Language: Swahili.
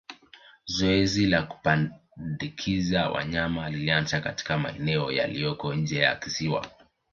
Zoezi la kupandikiza wanyama lilianza katika maeneo yaliyoko nje ya kisiwa